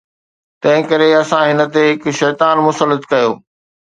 تنهنڪري اسان هن تي هڪ شيطان مسلط ڪيو